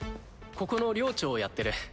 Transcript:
ここの寮長をやってる。